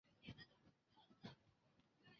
恶性转化和转移能力的过程。